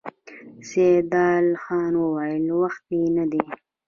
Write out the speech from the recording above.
سيدال خان وويل: وخت يې نه دی؟